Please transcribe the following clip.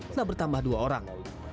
telah bertambah dua orang